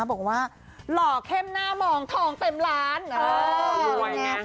บอกว่าหล่อเข้มหน้ามองทองเต็มล้านเออเป็นไง